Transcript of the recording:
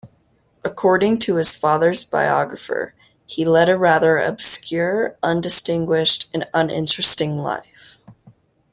According to his father's biographer, he led a rather "obscure, undistinguished and uninteresting life".